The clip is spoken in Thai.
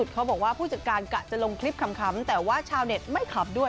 เขาบอกว่าผู้จัดการกะจะลงคลิปขำแต่ว่าชาวเน็ตไม่ขับด้วย